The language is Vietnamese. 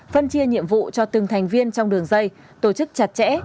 phân chia nhiệm vụ cho từng thành viên trong đường dây tổ chức chặt chẽ